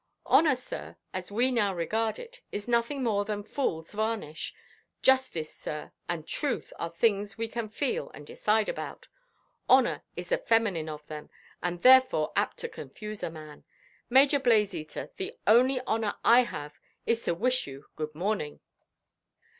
"Honour, sir, as we now regard it, is nothing more than foolʼs varnish. Justice, sir, and truth are things we can feel and decide about. Honour is the feminine of them, and, therefore, apt to confuse a man. Major Blazeater, the only honour I have is to wish you good morning."